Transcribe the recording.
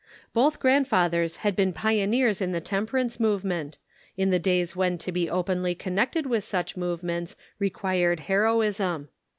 Both grandfathers had been pioneers in the temperance movement, in the days when to be openly connected with such movements required heroism.